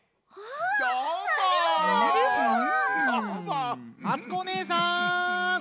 あつこおねえさん。